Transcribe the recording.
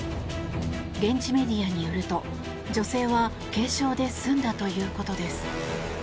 現地メディアによると、女性は軽傷で済んだということです。